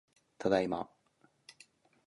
ただいま